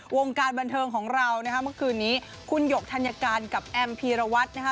วงการบันเทิงของเราเมื่อคืนนี้คุณหยกฒัญกันกับแอมพีรวัตร